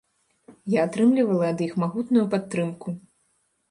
Я атрымлівала ад іх магутную падтрымку.